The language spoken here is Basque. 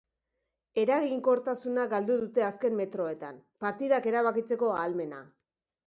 Eraginkortasuna galdu dute azken metroetan, partidak erabakitzeko ahalmena.